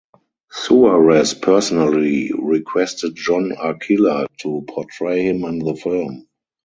Suarez personally requested John Arcilla to portray him in the film.